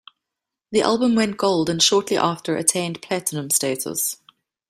The album went gold and shortly after attained platinum status.